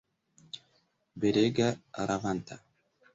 Belega, ravanta!